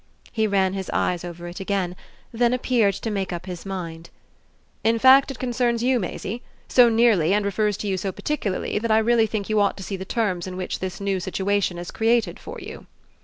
He ran his eyes over it again, then appeared to make up his mind. "In fact it concerns you, Maisie, so nearly and refers to you so particularly that I really think you ought to see the terms in which this new situation is created for you."